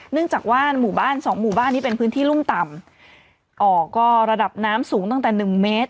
เนื่องจากว่าหมู่บ้านสองหมู่บ้านนี้เป็นพื้นที่รุ่มต่ำอ๋อก็ระดับน้ำสูงตั้งแต่หนึ่งเมตร